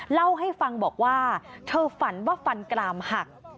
เล่าให้ฟังบอกว่าเธอฝันว่าฟันกรามหัก